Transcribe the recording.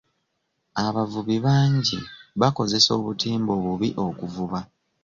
Abavubi bangi bakozesa obutimba obubi okuvuba.